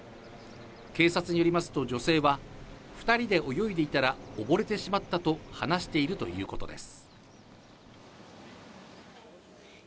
警察によりますと、女性は、２人で泳いでいたら溺れてしまったと話しているということです。